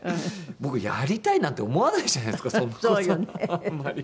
僕やりたいなんて思わないじゃないですかそんな事あんまり。